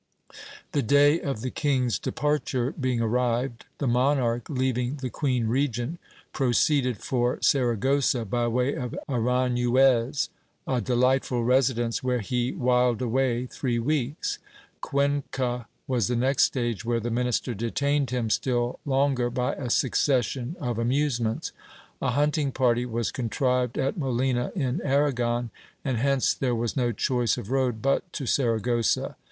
The day of the king's departure being arrived, the monarch, leaving the queen regent, proceeded for Saragossa by way of Aranjuez ; a delightful resi dence, where he whiled away three weeks. Cuenca was the next stage, where the minister detained him still longer by a succession of amusements. A hunt ing party was contrived at Molina in Arragon, and hence there was no choice of road but to Saragossa.